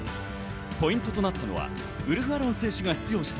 ポイントとなったのはウルフ・アロン選手が出場した